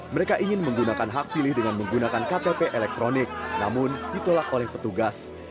mereka ingin menggunakan hak pilih dengan menggunakan ktp elektronik namun ditolak oleh petugas